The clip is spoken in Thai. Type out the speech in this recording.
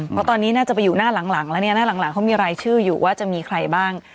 เพราะตอนนี้น่าจะไปอยู่หน้าหลังแล้วเนี่ยหน้าหลังเขามีรายชื่ออยู่ว่าจะมีใครบ้าง